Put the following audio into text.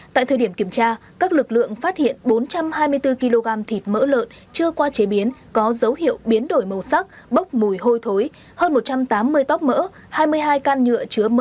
tại thời điểm kiểm tra các lực lượng phát hiện bốn trăm hai mươi bốn kg thịt mỡ lợn chưa qua chế biến có dấu hiệu biến đổi màu sắc bốc mùi hôi thối hơn một trăm tám mươi tóc mỡ hai mươi hai can nhựa chứa mỡ